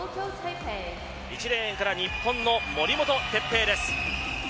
１レーンから日本の森本哲平です。